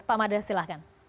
pak mada silahkan